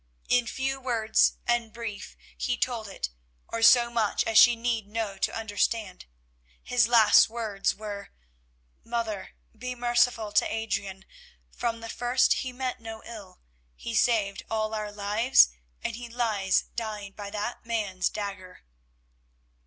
In few words and brief he told it, or so much as she need know to understand. His last words were: "Mother, be merciful to Adrian; from the first he meant no ill; he saved all our lives, and he lies dying by that man's dagger."